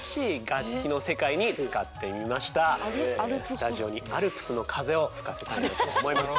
スタジオにアルプスの風を吹かせたいと思います。